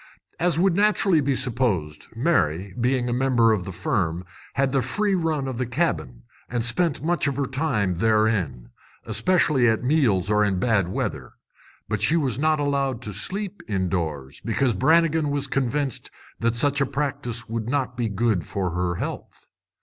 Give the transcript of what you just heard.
As would naturally be supposed, Mary, being a member of the firm, had the free run of the cabin, and spent much of her time therein, especially at meals or in bad weather. But she was not allowed to sleep indoors, because Brannigan was convinced that such a practice would not be good for her health.